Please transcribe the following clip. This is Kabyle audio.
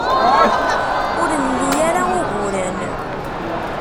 Ur nli ara uguren.